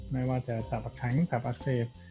ไม่ว่าจะตับแข็งตับอักเสบ